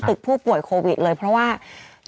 สุดยอดถูกโควิดเลยมั่งสูง